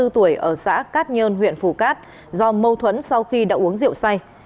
hai mươi tuổi ở xã cát nhơn huyện phù cát do mâu thuẫn sau khi đã uống rượu say